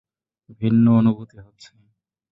ভিন্ন অনুভুতি হচ্ছে।